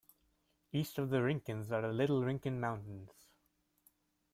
East of the Rincons are the Little Rincon Mountains.